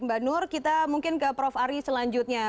mbak nur kita mungkin ke prof ari selanjutnya